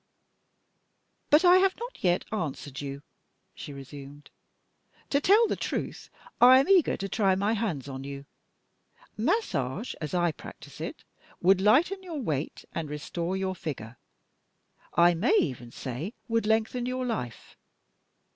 "But I have not yet answered you," she resumed. "To tell the truth, I am eager to try my hands on you. Massage, as I practice it, would lighten your weight, and restore your figure; I may even say would lengthen your life.